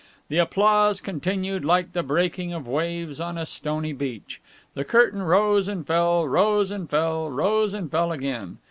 The applause continued like the breaking of waves on a stony beach. The curtain rose and fell, rose and fell, rose and fell again.